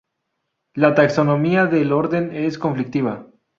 La taxonomía del orden es conflictiva.